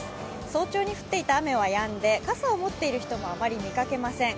早朝に降っていた雨はやんで、傘を持っている人もあまり見かけません。